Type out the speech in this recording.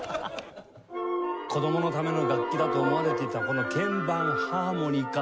子どもための楽器だと思われていたこの鍵盤ハーモニカ。